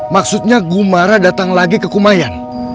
maksudnya gumara datang lagi ke kumayan